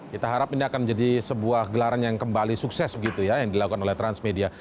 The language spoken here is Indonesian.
kita harap ini akan menjadi sebuah gelaran yang kembali sukses begitu ya yang dilakukan oleh transmedia